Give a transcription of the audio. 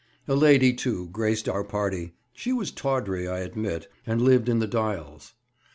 A lady, too, graced our party; she was tawdry, I admit, and lived in the Dials.